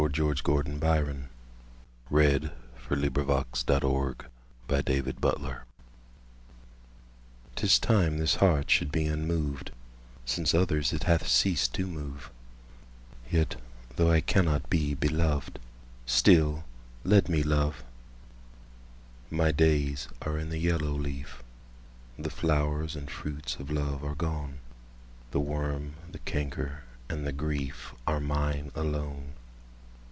George Gordon, Lord Byron 483. On This Day I Complete My Thirty Sixth Year 'TIS time this heart should be unmoved, Since others it hath ceased to move:Yet, though I cannot be beloved, Still let me love! My days are in the yellow leaf; The flowers and fruits of love are gone; The worm, the canker, and the griefAre mine alone!